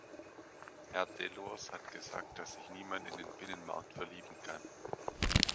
Herr Delors hat gesagt, dass sich niemand in den Binnenmarkt verlieben kann.